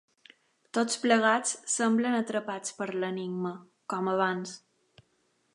Tots plegats semblen atrapats per l'enigma, com abans.